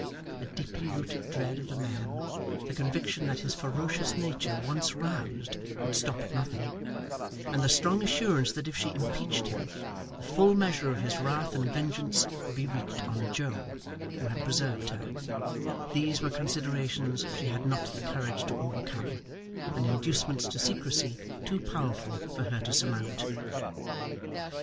A deeply rooted dread of the man; the conviction that his ferocious nature, once roused, would stop at nothing; and the strong assurance that if she impeached him, the full measure of his wrath and vengeance would be wreaked on Joe, who had preserved her; these were considerations she had not the courage to overcome, and inducements to secrecy too powerful for her to surmount.